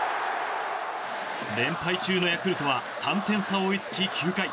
連敗中のヤクルトは３点差追いつき、９回。